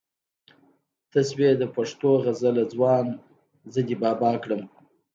ته شوې د پښتو غزله ځوان زه دې بابا کړم